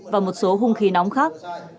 và một số hung khí nóng khác